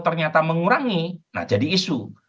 ternyata mengurangi nah jadi isu